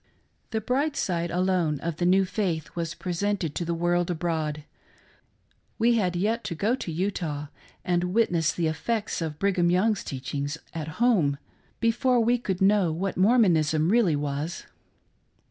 The bright side alone of the new faith was presented to the world abroad ; we had yet to go to Utah and witness the effects of Brigham Young's teachings at home before we could know what Mormonism really was.